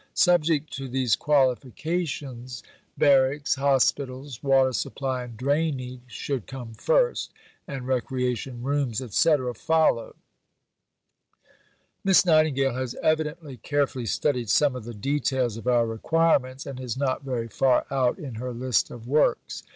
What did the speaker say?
Subject to these qualifications, barracks, hospitals, water supply, and drainage should come first, and recreation rooms, &c., follow.... Miss Nightingale has evidently carefully studied some of the details of our requirements, and is not very far out in her list of works.